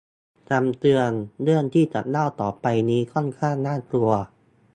คำเตือน : เรื่องที่จะเล่าต่อไปนี้ค่อนข้างน่ากลัว